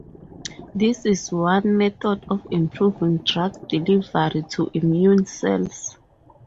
This is one method of improving drug delivery to immune cells.